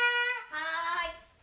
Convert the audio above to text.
はい。